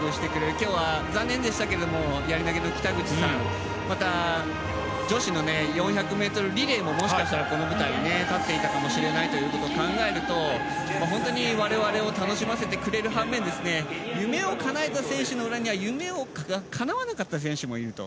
今日は残念でしたけどやり投げの北口さん女子の４００ｍリレーももしかしたら、この舞台に立っていたかもしれないことを考えると我々を楽しませてくれる半面夢をかなえた選手の裏には夢がかなわなかった選手もいると。